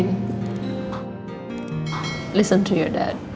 dengar cakap ayahmu